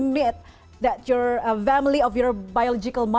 bahwa keluarga anda adalah ibu biologis anda